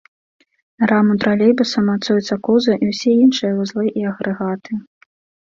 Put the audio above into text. На раму тралейбуса мацуецца кузаў і ўсе іншыя вузлы і агрэгаты.